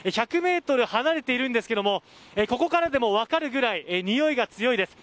１００ｍ離れているんですけどもここからでも分かるぐらいにおいが強いです。